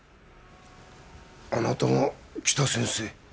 あなたが北先生